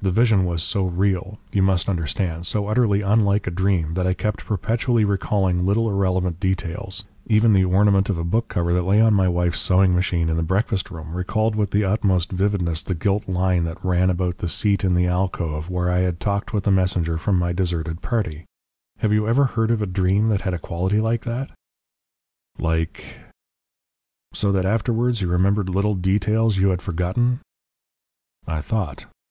"The vision was so real, you must understand, so utterly unlike a dream that I kept perpetually recalling little irrelevant details; even the ornament of a book cover that lay on my wife's sewing machine in the breakfast room recalled with the utmost vividness the gilt line that ran about the seat in the alcove where I had talked with the messenger from my deserted party. Have you ever heard of a dream that had a quality like that?" "Like ?" "So that afterwards you remembered little details you had forgotten." I thought.